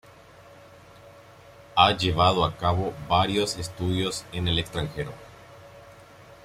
Ha llevado a cabo varios estudios en el extranjero.